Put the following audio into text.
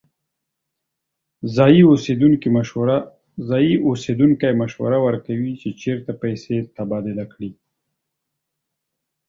ځایی اوسیدونکی مشوره ورکوي چې چیرته پیسې تبادله کړي.